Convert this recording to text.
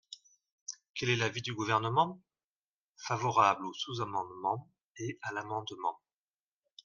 Quel est l’avis du Gouvernement ? Favorable au sous-amendement et à l’amendement.